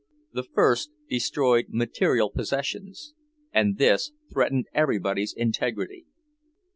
The first destroyed material possessions, and this threatened everybody's integrity.